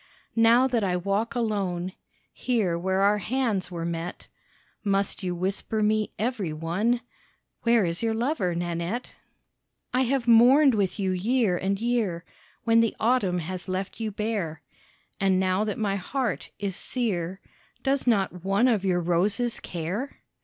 Now that I walk alone Here where our hands were met, Must you whisper me every one, "Where is your lover, Nanette?" I have mourned with you year and year, When the Autumn has left you bare, And now that my heart is sere Does not one of your roses care?